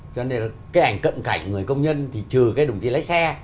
cho nên là cái ảnh cận cảnh người công nhân thì trừ cái đồng chí lái xe